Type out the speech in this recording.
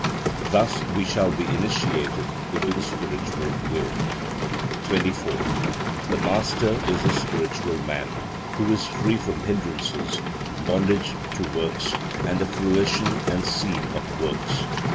Thus we shall be initiated into the spiritual will. 24. The Master is the spiritual man, who is free from hindrances, bondage to works, and the fruition and seed of works.